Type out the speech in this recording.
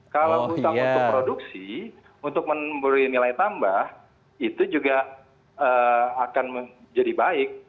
kalau hutang untuk produksi untuk memberi nilai tambah itu juga akan menjadi baik